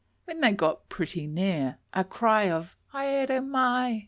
When they got pretty near, a cry of _haere mai!